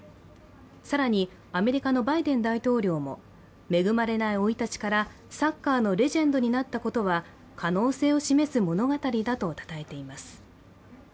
更に、アメリカのバイデン大統領も恵まれない生い立ちからサッカーのレジェンドになったことは可能性を示す物語だとたたえています。